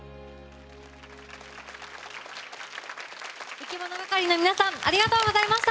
いきものがかりの皆さんありがとうございました。